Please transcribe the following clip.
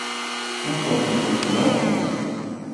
Não somos todos irmãos?